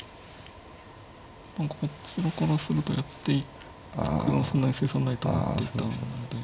何かこちらからするとやっていくのそんなに成算ないと思っていたんで。